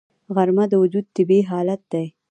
غرمه د وجود طبیعي حالت دی